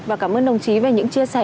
và cảm ơn đồng chí về những chia sẻ